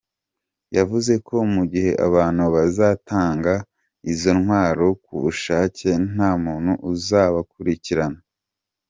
Yavuze ko mugihe abantu bazatanga izo ntwaro kubushake nta muntu uzabakurikirana.